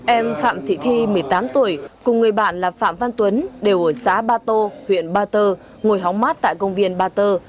em phạm thị thi một mươi tám tuổi cùng người bạn là phạm văn tuấn đều ở xã ba tô huyện ba tơ ngồi hóng mát tại công viên ba tơ